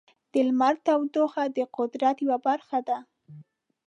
د لمر تودوخه د قدرت یو برکت دی.